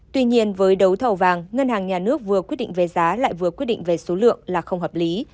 tuy nhiên với đấu thầu vàng ngân hàng nhà nước vừa quyết định về giá lại vừa quyết định về số lượng là không hợp lý